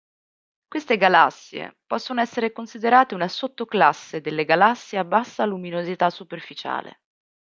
Queste galassie possono essere considerate una sottoclasse delle galassie a bassa luminosità superficiale.